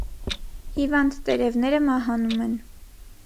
Հիվանդ տերևները մահանում են։